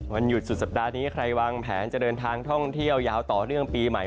วันหยุดสุดสัปดาห์นี้ใครวางแผนจะเดินทางท่องเที่ยวยาวต่อเนื่องปีใหม่